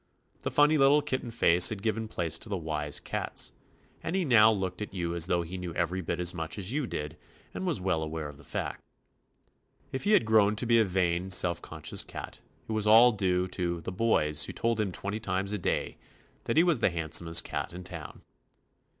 The funny lit tle kitten face had given place to the wise cat's, and he now looked at you 65 THE ADVENTURES OF as though he knew every bit as much as you did and was well aware of the fact. If he had grown to be a vain, self conscious cat, it was all due to ''the boys" who told him twenty times a day that he was "the handsomest cat in town."